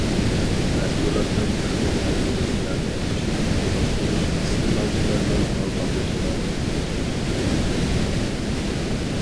مەھسۇلاتنىڭ ئىقتىدارىنى زىيادە ئاشۇرۇپ تونۇشتۇرۇش ئىستېمالچىلارنىڭ مال تاللىشىغا تەسىر كۆرسىتىدۇ.